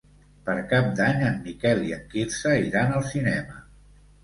Per Cap d'Any en Miquel i en Quirze iran al cinema.